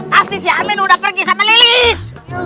pasti si amin udah pergi sama lilis